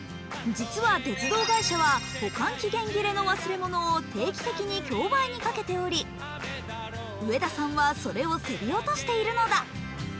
実は鉄道会社は保管期限切れの忘れ物を定期的に競売にかけており上田さんはそれを競り落としているのだ。